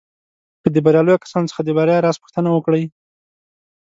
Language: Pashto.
که د برياليو کسانو څخه د بريا راز پوښتنه وکړئ.